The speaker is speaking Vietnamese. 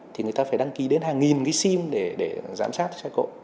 thì người ta phải đăng ký đến hàng nghìn cái sim để giám sát xe cộ